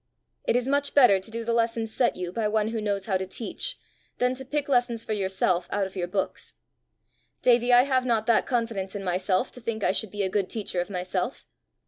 "It is much better to do the lessons set you by one who knows how to teach, than to pick lessons for yourself out of your books. Davie, I have not that confidence in myself to think I should be a good teacher of myself."